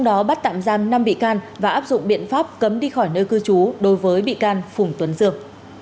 đối với cư chú đối với bị can phùng tuấn dược